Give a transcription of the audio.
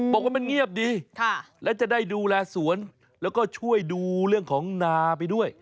บอกว่ามันเงียบดีและจะได้ดูแลสวนแล้วก็ช่วยดูเรื่องของนาไปด้วย